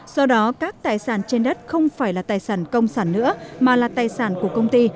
do đó các tài sản trên đất không phải là tài sản công sản nữa mà là tài sản của công ty